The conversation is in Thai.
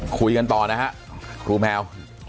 คุยกันต่อนะฮะครูแมว